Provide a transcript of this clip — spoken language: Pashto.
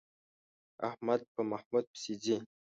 احمد په محمود پسې ځي.